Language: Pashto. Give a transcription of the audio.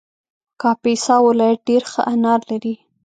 کاپیسا ولایت ډېر ښه انار لري